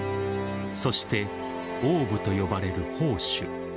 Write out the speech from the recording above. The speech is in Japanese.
そしてオーブと呼ばれる宝珠。